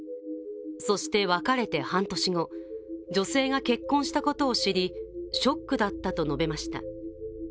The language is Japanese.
そして、別れた半年後女性が結婚したことを知りショックだったと述べました。